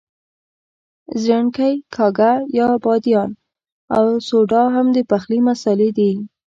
ځڼکۍ، کاږه یا بادیان او سوډا هم د پخلي مسالې دي.